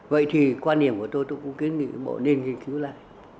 vậy thì quan điểm của tôi tôi cũng kiến nghị bộ nên nghiên cứu lại